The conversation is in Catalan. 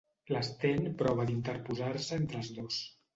L'Sten prova d'interposar-se entre els dos.